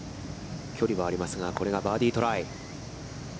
距離はありますが、これがバーディートライ。